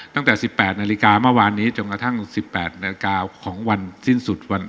ตั้งแต่๑๘นาฬิกาเมื่อวานนี้จนกระทั่ง๑๘นาฬิกาของวันสิ้นสุดวัน